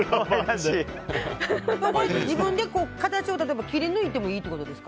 自分で形を切り抜いてもいいってことですか？